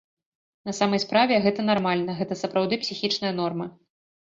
На самай справе, гэта нармальна, гэта сапраўды псіхічная норма.